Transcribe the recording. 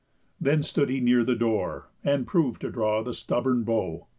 Then stood he near the door, and prov'd to draw The stubborn bow.